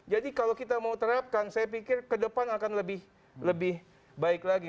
jadi kalau kita mau terapkan saya pikir kedepan akan lebih baik lagi